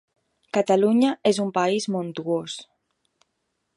Catalunya és un país montuós.